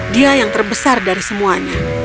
dia yang terbesar dari semuanya